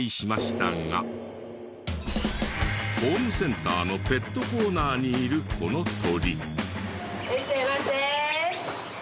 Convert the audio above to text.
ホームセンターのペットコーナーにいるこの鳥。